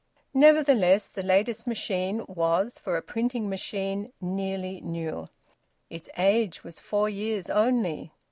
Nevertheless, the latest machine was, for a printing machine, nearly new: its age was four years only.